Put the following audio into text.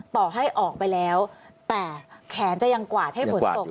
ต่อให้ออกไปแล้วแต่แขนจะยังกวาดให้ฝนตก